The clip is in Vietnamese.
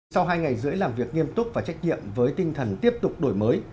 sau hai ngày rưỡi làm việc nghiêm túc và trách nhiệm với tinh thần tiếp tục đổi mới